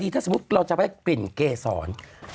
ถ้าสมมุติเราจะได้กลิ่นเกษร